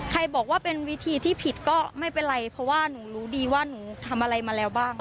บอกว่าเป็นวิธีที่ผิดก็ไม่เป็นไรเพราะว่าหนูรู้ดีว่าหนูทำอะไรมาแล้วบ้าง